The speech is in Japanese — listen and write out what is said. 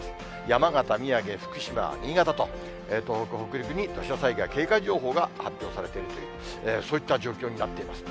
山形、宮城、福島、新潟と、東北、北陸に土砂災害警戒情報が発表されているという、そういった状況になっています。